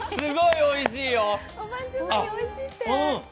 すごいおいしいよ。